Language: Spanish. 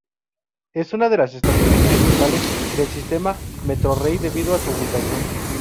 Es una de las estaciones principales del sistema Metrorrey debido a su ubicación.